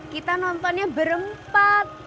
kita nontonnya berempat